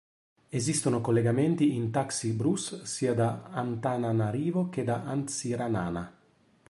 Esistono collegamenti in taxi-brousse sia da Antananarivo che da Antsiranana.